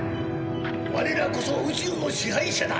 我らこそ宇宙の支配者だ！